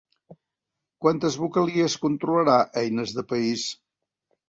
Quantes vocalies controlarà Eines de País?